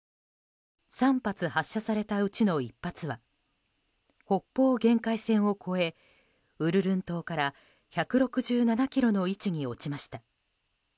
３発発射されたうちの１発は北方限界線を越えウルルン島から１６７ｋｍの位置に落ちました。